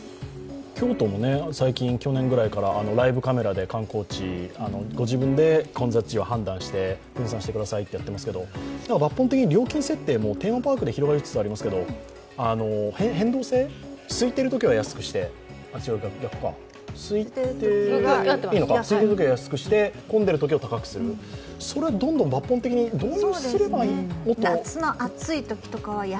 京都も最近、去年くらいからライブカメラで観光地ご自分で混雑値を判断して分散してくださいとやっていますけど、抜本的に料金設定も、テーマパークで広がりつつありますけど変動制、すいているときは安くして混んでいるときは高くする、それはどんどん抜本的に導入すればいいと。